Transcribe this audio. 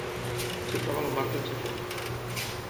Es troba al mar del Japó.